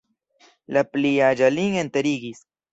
La pli aĝa lin enterigis.